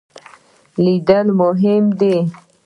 لیدل مهم دی.